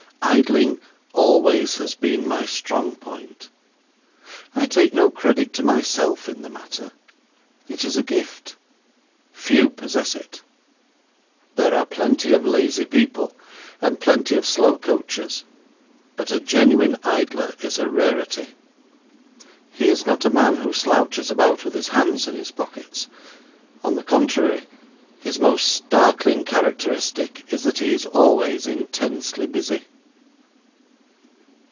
Idling always has been my strong point. I take no credit to myself in the matter it is a gift. Few possess it. There are plenty of lazy people and plenty of slow coaches, but a genuine idler is a rarity. He is not a man who slouches about with his hands in his pockets. On the contrary, his most startling characteristic is that he is always intensely busy.